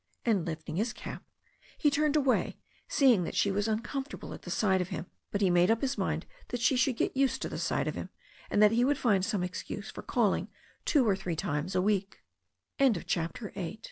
And lifting his cap, he turned away, seeing that she was uncomfortable at the sight of him. But he made up his mind that she should get used to the sight of him, and that he would find some excuse for calling two